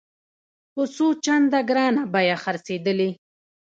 په څو چنده ګرانه بیه خرڅېدلې.